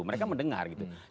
mereka mendengar gitu